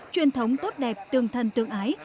truyền thống tốt đẹp tương thân tương ái